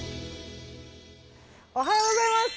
おはようございます。